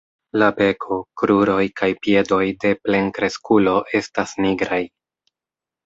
La beko, kruroj kaj piedoj de plenkreskulo estas nigraj.